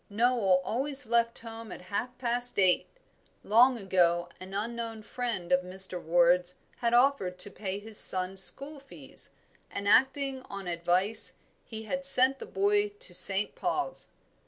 Noel always left home at half past eight long ago an unknown friend of Mr. Ward's had offered to pay his son's school fees, and, acting on advice, he had sent the boy to St. Paul's.